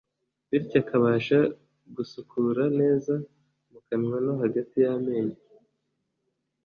bityo akabasha gusukura neza mu kanwa no hagati y'amenyo.